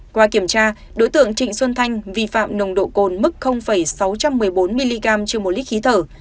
qua kiểm tra đối tượng trịnh xuân thanh vi phạm nồng độ cồn mức sáu trăm một mươi bốn mg trên một lít khí thở